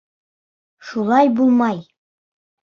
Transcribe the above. — Шулай булмай!